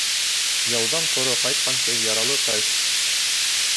Яуҙан ҡоро ҡайтҡансы, яралы ҡайт.